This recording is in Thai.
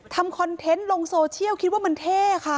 คอนเทนต์ลงโซเชียลคิดว่ามันเท่ค่ะ